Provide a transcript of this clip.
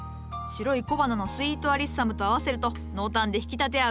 白い小花のスイートアリッサムと合わせると濃淡で引き立て合うぞ。